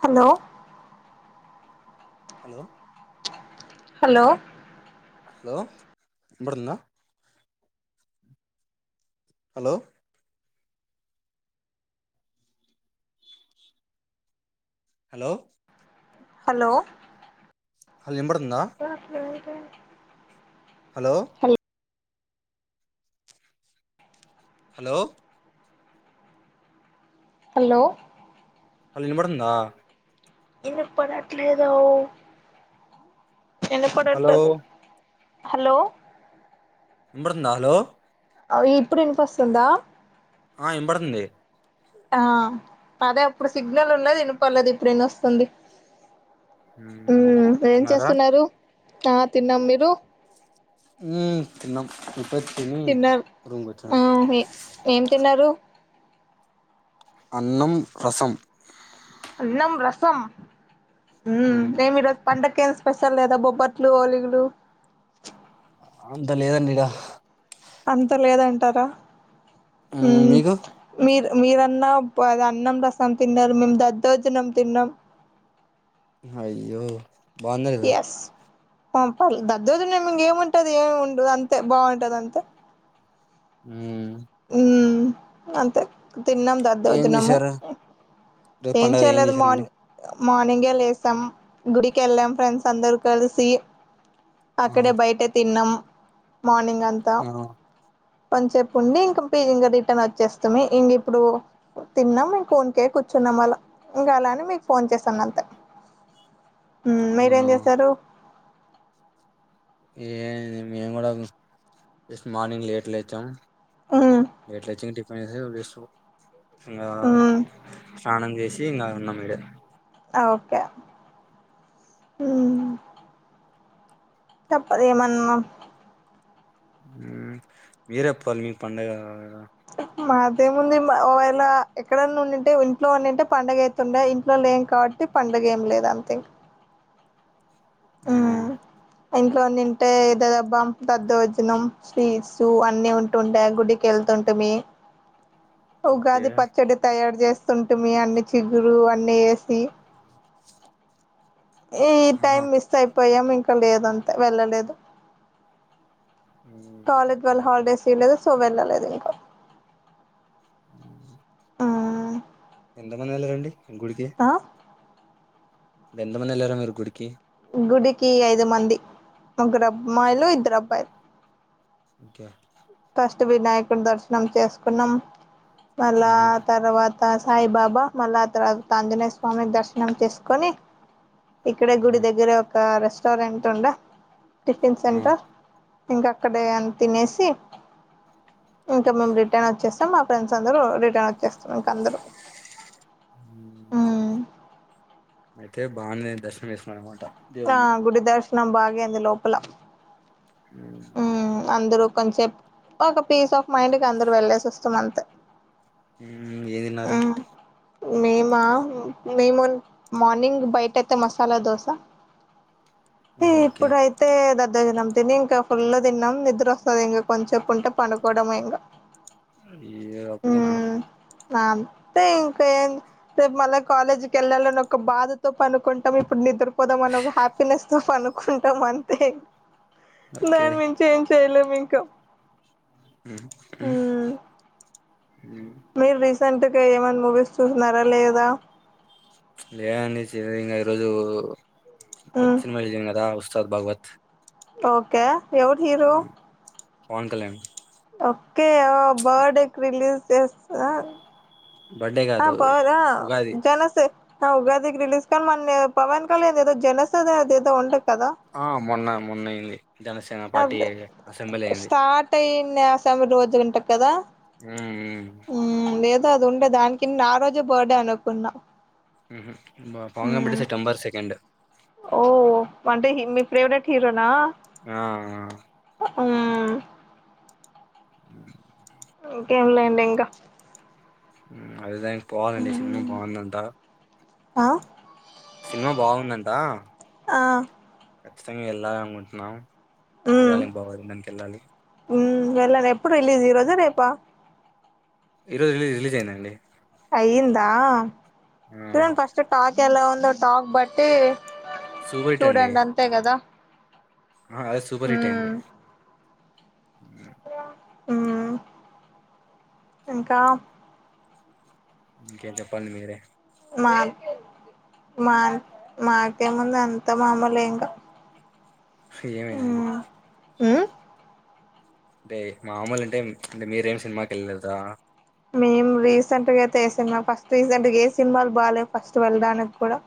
Hello hello hello hello [unintelligible] hello hello hello hello వినపడిందా హు hello hello hello అళ్ళనిబడుతుందా ఎన్న పడట్లేదు ఎన్న హలో పడట్లేదు హలో ఎనబడుతుందా నలో ఇప్పుడు ఎనిపిస్తుందా ఆ ఇనబడుతుంది ఆ అదే ఇప్పుడు సిగ్నల్ ఉండదు వినిపర్లేదు ఇప్పుడు ఎన్ని వస్తుంది హ అదే తిన్నారా ఆ తిన్నాం మీరు ఉ తిన్నాం ఇప్పుడే తిని తిన్నారు రూమ్ కొచ్చిన ఆ ఏం తిన్నారు అన్నం రసం అన్నం రసం హ మ్మ్ నమిర పండక ఏం స్పెషల్ లేదా బొబ్బట్లు హోలీగులు అంతా లేదండీ ఇడా అంత లేదంటారా హ్మ్ మ్మ్ మీకు మీరు మీరన్నా అది అన్నం రసం తిన్నారు మేము దద్దోజనం తిన్నాం అయ్యో బాగుంద లేదా తంతల్ దద్దోజనే మ ఏముంటది ఏమి ఉండదు అంతే బాగుంటది అంతే ఊమ్ మ్మ్ అంతే తిన్నాం ఏం దద్దోజనము చేశారు ఈరోజు ఏం పండగ చేయలేదు చేశారండి మార్ని మార్నింగే లేసాం గుడికి ఎళ్ళాం ఫ్రెండ్స్ అందరు కలిసి ఆ అక్కడే బయటె తిన్నాం మార్నింగ్ అంతా ఆ కొనిసేపు ఉండి కన్పి ఇంగ రిటర్న్ వచ్చేస్తిమి ఇంగిప్పుడు తిన్నాం మేము కొన్కే కూర్చున్నాం అళ్ళ ఇంకా అలా అని మీకు ఫోన్ చేసాను అంతే ఉమ్ మీరేం అవునా చేసారు ఏ మేము కూడా జస్ట్ మార్నింగ్ లేట్ లేచాం మ్మ్ లేల్టేచి ఇంటి ఇంకా మ్మ్ స్నానం చేసి ఇంకా ఉన్నాం మీడే ఓకే ఉమ్ తప్పదు ఏమన్నా ఊమ్ మీరే పోవాలి మీ పండుగ మా ఏముంది ఒకవేళ ఎక్కడైన్నా ఉండింటే ఇంట్లో ఉండుంటే పండగ అయితుండయి ఇంట్లో లేం కాబట్టి పండ ఏం లేదు అంతె ఇక అవునా ఇంట్లో ఉండింటే దదబ్బాం దద్దోజనం స్వీట్స్ అన్ని ఉంటుండే గుడికి ఎళ్తుంటిమి ఓకే ఉగాది పచ్చడి తయారు చేస్తుంటుమి అన్ని చిగురు అన్ని ఏ సి ఈ ఈ ఆహా టైం మిస్ అయిపోయాం ఇంకా లేదంతే వెళ్ళలేదు మ్మ్ కాలేజ్ ఓకే వల్ల ఓకే హాలిడేస్ ఇయలేదు సో వెళ్ళలేదు ఇంకా మ్మ్ ఎంతమందెలరండీ గుడికి ఆ ఎంతమందేళ్ళారు మీరు గుడికి గుడికి ఐదు మంది ముగ్గురు అమ్మాయిలు ఇద్దరు అబ్బాయిలు ఓకే ఫస్ట్ వినాయకుని దర్శనం చేసుకున్నాం మళ్ళా మ్మ్ తర్వా ఆ సాయి బాబా మళ్ళా తర్వాత తాంజనేయ స్వామి దర్శనం చేసుకొని ఇక్కడ గుడి ఆహా దగ్గర ఒక రెస్టారెంట్ ఉండే టిఫిన్ ఆ సెంటర్ ఇంకా అక్కడ ఏమన్న తినేసి ఇంకా మేము రిటర్న్ ఒచ్చేస్తాం మా ఫ్రెండ్స్ అందరు రిటర్న్ ఒచ్చేస్తరంట ఇంక అందరు ఊమ్ అయితే బానే దర్శనం జేసుకున్నారనమాట ఆ గుడి దర్శనం బాగైంది లోపల ఊమ్ అందరు కొంచసేప్ ఒక పీస్ ఆఫ్ మైండ్ కి అందరు వెళ్లేేసి ఒస్తాం అంతే ఊమ్ ఏ తిన్నారు మ్మ్ మేమా మేము మార్నింగ్ బయట అయితే మసాలా దోస ఈ ఆహా ఓకే ఇప్పుడు అయితే దద్దోజనం తిని ఇంకా ఫుల్ తిన్నాం నిద్ర ఒస్తది ఇంగ కొంసేపు ఉంటే పండుకోవడమే ఇంగ ఇగ అప్పుడేనా అ అంతే ఇంకేం రేపు మళ్ళా కాలేజీ కెళ్ళాలనే ఒక బాధతో పనుకుంటాం ఇప్పుడ్ నిద్రపోదామన్న ఒక హ్యాపీనెస్ తో పనుకుంటాం అంతే ఓకే దాని మించి ఏం చెయలేం ఇంకా మ్మ్ ఉమ్ మీరు రీసెంట్గా ఏమన్నా మూవీస్ చూసినారా లేదా లేదండి చి ఇంకా ఈరోజు ఉమ్ కొత్తిన మళ్దింగ్ అదా ఉస్తసాద్ భాగవత్ ఓకే ఎవడు హీరు పవన్ కళ్యాణ్ ఓకే ఆ బర్డేకి రిలీజ్ చేస్తా బర్త్డే ఆ కాదు పోవాలా ఉగాది చాలా సేపు ఆ ఉగాదికి రిలీజ్ కని మన్ పవన్ కళ్యాణ్ ఏదో జనసద అద ఏదో ఉండంట ఆ మొన్న మొన్న ఇల్లి అదే స్టార్ట్ అయింది అసెంబర్ రోజు ఉంటా కదా ఆ ఏదో అది ఉండే దానికి నే ఆ రోజే బర్డే అనుకున్నా పాంగ పెటి మ్మ్ సెప్టెంబర్ సెకండ్ ఫెవరెట్ హీరోనా ఆ మ్మ్ ఏంలే అండి ఇంకా అదే దానికి పోవాలండి సినిమా మ్మ్ బాగుందంట ఆ సినిమా బాగుందంట ఆ ఖచ్చితంగా వెళ్ళాలి అనుకుంటున్నాం మ్మ్ చూడాలి ఏం బాగుదు దానికి వెళ్ళాలి మ్మ్ వెళ్ళను ఎప్పుడు రిలీజ్ ఈ రోజా రేపా ఈ రోజు రిలీజ్ రిలీజ్ అయిందండి అయ్యిందా ఆ ఫస్ట్ టాక్ ఎలా ఉందో టాక్ బట్టి సూపర్ హిట్ అండి చూడండి అంతే కదా ఆ అదే సూపర్ హిట్ ఉమ్ అయింది ఉమ్మ్ ఇంకా ఇంకే చెప్పండి మీరే మా మా మాకే ముందు అంత మామూలు ఇంకా ఏమైందండి ఉమ్మ్ అంటే మామూలు అంటే అంటే మీరేమి సినిమాకి వెళ్ళలేదా మేమ్ రీసెంట్గా అయితే ఏ సినిమా ఫస్ట్ రీసెంట్ ఏ సినిమాలు బాలేవు ఫస్ట్ వెళ్ళడానికి కూడా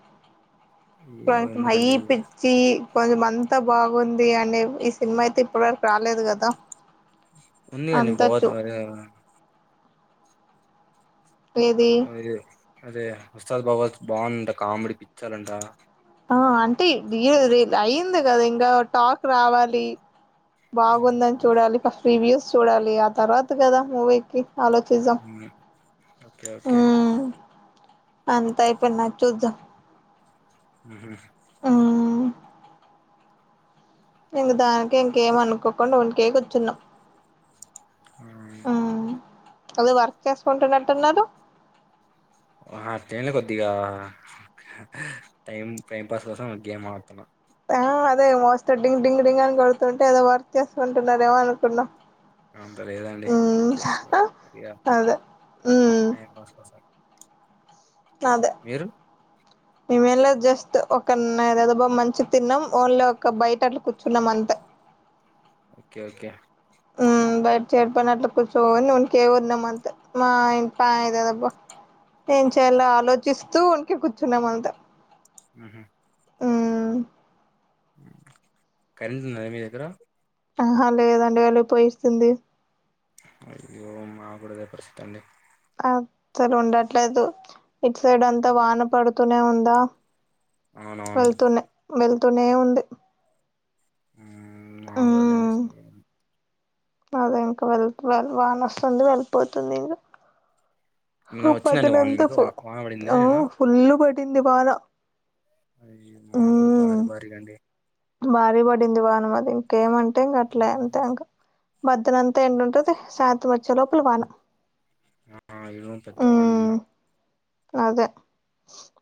అయ్యో హై ఎందుకండి పిచ్చి కొంచం అంతా బాగుంది అని ఈ సినిమా అయితే ఇప్పటి వరకు రాలేదు కదా ఉంది అన్ని అంతా బత చూ మ ఏది అది అదే ఉస్తాద్ బబద్ బాగుందంట కామెడీ పిక్చర్ అంట ఆ అంటే అయింది కదా ఇంకా టాక్ రావాలి బాగుందని చూడాలి ఫస్ట్ రివ్యూస్ చూడాలి ఆ తర్వాత కదా మూవీకి ఆలోసిద్దాం ఉమ్, ఓకే ఓకే అంతా అయి పోయినాక చూద్దాం ఆ ఉమ్ ఇంక దానికే ఇంకేమ అనుకోకుండా ఉంటికే కూర్చున్నాం అ ఏదో వర్క్ చేసుకుంటున్నట్టున్నారు అట్లేం లే కొద్దిగా టైం టైం పాస్ కోసం గేమ్ ఆడుతున్నా ఆ అదే మోస్త డింగ్ డింగ్ డింగ్ అని కొడుతుంటే ఏదో వర్క్ చేసుకుంటున్నారేమో అనుకున్నాం అంత లేదండి ఉమ్ జస్ట్గా అదే ఉమ్ టైం పాస్ కోసం అదే మీరు ఇ మేలో జస్ట్ ఒక ఏదదో బా మంచి తిన్నాం ఓన్లీ ఒక బయట అట్లా కూర్చున్నాం అంతా అ ఓకే ఓకే ఆ బయట చెడిపోయినట్లు కూర్చో నుకే ఉన్నామ అంత మా ఇం పాయదదబ్బ ఏం చేయాల ఆలోచిస్తూ ఉంటికే కూర్చున్నామ అంతా ఆహ ఆ కరెంట్ ఉన్నద మీ దగ్గర ఆహా లేదండి వెళ్లి పోయిస్తుంది అయ్యో మా కూడ అదే పరిస్థితి అండి అసలు ఉండట్లేదు ఇటు సైడ్ అంతా వాన ఉమ్, పడుతూనే ఉందా అవునవును వెళ్తూనే వెళ్తూనే ఉంది మా కూడా అదే ఉమ్ అండి సేమ్ అదే ఇంకా వె వాన వస్తుంది వెళ్ళిపోతుంది ఇంకా నిన్న వచ్చిందండి వాన పోదునంతా మీకు ఫు వా- వాన పడిందా ఆ నిన్న ఫుల్లు పడింది వాన అయి మా కూడా భారీ ఉమ్ భారీ గాండి భారీ పడింది వానమది ఇంకేమంటే ఇంక అట్లా అంతే ఇంక మధ్యాహ్నం అంతా ఎండ ఉంటది సాయంత్రం వచ్చ లోపల వాన ఆ ఇడ కూడా ఉమ్ పెద్దవాన్నా అదే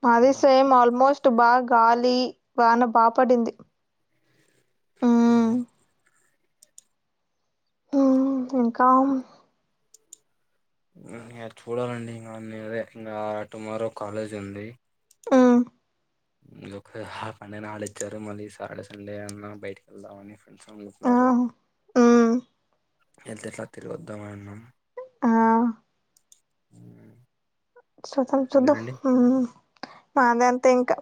మాది సేమ్ ఆల్మోస్ట్ బాగా గాలి వాన బాపడింది. అ ఇంకా చూడాలండి ఇంకా న ఇంకా టుమారో కాలేజ్ ఉంది ఇ ఒకకా హాలిడే ఇచ్చారు మళ్ళీ సాడే సండే అన్నా బయటకి వెళ్దామని ఫ్రెండ్స్ ఆ అనుకుంటున్నారు ఉమ్ వెళ్తే ఎట్లా తిరిగోద్దామ అన్నాం ఆ హ సుతాం సుద్దము మాదంతా ఇంకా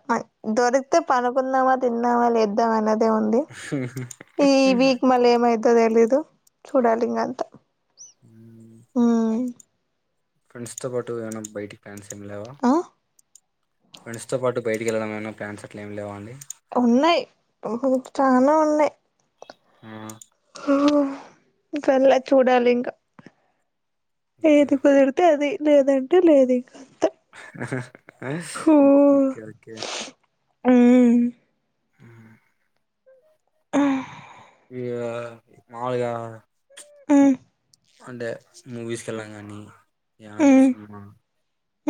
దొరికితే పనుకుందామా తిందామా లేద్దామ అనేది ఇదే ఉంది ఈ వీక్ మళ ఏమైద్దది తెలిదు చూడాలింగా అంతే హ అ ఫ్రెండ్స్ తో పాటు ఏమన్న బయటికి ప్లాన్స్ ఏం లేవా ఆ ఫ్రెండ్స్ తో పాటు బయటి పిల్ల ఏమన్న్యాట్ సర్ట్ ఏమి లే అండి ఉన్నాయి్ చానా ఉన్నాయి్ ఆ వెల్ల చూడాలి ఇంకా ఓకే ఏది కుదిరితే అది లేదంటే లేదు ఇక ఓకే ఓకే ఇ మాలుగా అంటే మూవీస్కి వెళ్ళాం కానీ ఏ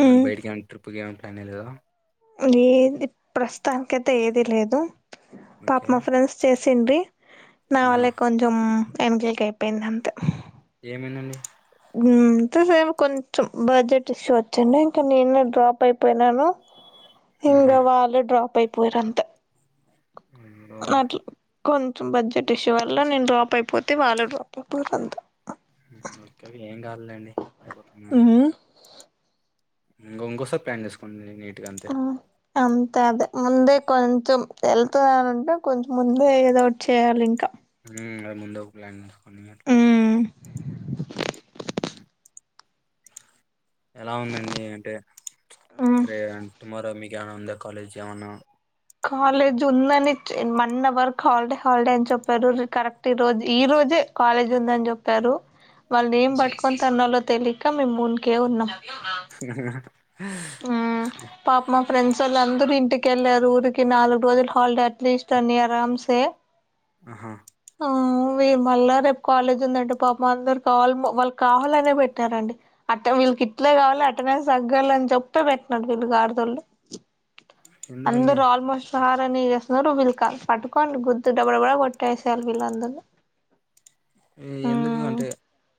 ఏమనా బయటకి ఏమనా ట్రిప్కి ఏమైనా ప్లాన్ అయ్యలేదో ఈ ప్రస్తుతానికైతే ఏదిీ లేదు పాప ఓకే మా ఫ్రెండ్స్ చేసిండ్రి నా ఆహా వాళ్ళ కొంచెం ఎంజక్ అయిపోయింది అంతా ఏమైందండి అంతే సార్ కొంచెం బడ్జెట్ ఇష్యూ వచ్చిడి ఇంకా నేను డ్రాప్ అయిపోయినాను ఇంగ ఆహా వాళ్ళ డ్రాప్ అయిపోయరంత అయ్యో అట్ కొంచెం బడ్జెట్ ఇష్యూ వల్ల నేను డ్రాప్ అయిపోతే వాళ్ళు డ్రాప్ అయిపోారు అంత ఓకే ఏం కావలేండి అయిపోతున్నాని ఇం ఇంకోసారి ప్లాన్ చేసుకోంండి నీట్ గా అంతే అంతే అదే ముందే కొంచెం వెళ్తున్ననంటే కొంచం ముందే ఏదో ఒకటి చేయాలి ఇంకా ముందు ఒక ప్లాన్ చేసుకొని అట్లా మ్మ్ ఉమ్. ఎలా ఉందండి అంటే రే టుమారో మీకు జనం ఉందా కాలేజ్ జవన్నా కాలేజ్ ఉందని వన్ అవర్క్ హాలిడే హాలిడే అని చెప్పారు కరెక్ట్ ఈ రోజు ఈ రోజు జే కాలేజ్ ఉందని చెప్పారు వాళ్ళు ఏం పట్టుకొని తన్నాలో తెలియక మేము మున్కే ఉన్నాం ఆ పాప మా ఫ్రెండ్స్ ఎల్ అందరు ఇంటికి వెళ్ారు ఊరికి నాలుగు రోజులు హాలల్డే అట్లీస్ట్ అని అరసే ఆహా ఆ మళ్ళా రేపు కాలేజ్ ఉందండి పాప అందరు కావాల వాళ్ళు కావాలనే పెట్టారండి అ వీళ్ళకి ఇట్లే కావాలి అటండెస్ తగ్గాల అని చెప్ప త్త పెట్టినడు వీళ్ళు గారదోళ్లు ఎందుకండి అందరు ఆల్మోస్ట్ హారాన్ని చేస్తున్నారుిలు కా పటుకోండి గుద్దు డబ్బడ కూడా కొట్టేసయాలి వీళ్ళందరుని ఎందుకు అంటే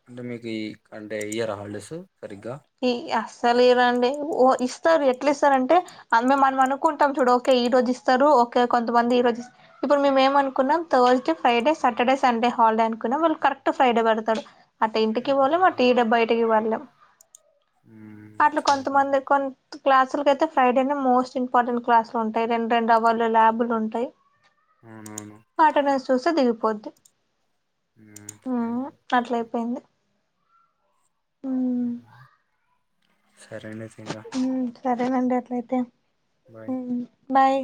అంటే మీకు ఈ అంటే ఇయర్ హాలిడేస్ సరిగ్గా ఏ అస్ సర ఇవండి ఓ ఇస్తారు ఎట్లా ఇస్తారు అంటే అ మేము మనం అనుకుంటాం చూడు ఓకే ఈ రోజు ఇస్తారు ఓకే కొంతమంది ఈ రోజు ఇప్పుడు మేేమ అనుకున్నాం Thursday Friday Saturday Sunday holiday అనుకున్నాంళ కరెక్ట్ ఫ్రైడే పడతాడు అటు ఇంటికి పోలేం అటు ఈ డబ్బా బటికి పళ్లేం హ్మ్ అట్లా కొంతమంది సరిపోయింది కొంత క్లాస్ అసలుకైతే ఫ్రైడేనే మోస్ట్ ఇంపార్టెట్ క్లాస్లు ఉంటాయి రెం రెండు అవర్లు ల్యాులు ఉంటాయి అవునవును మాటన చూస దిగిపోద్ది అట్ల ఆ అయిపోయింది హ సరైన తంగా సదే మడిట్ల అయితే బాయ్